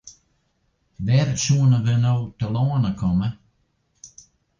Wêr soenen we no telâne komme?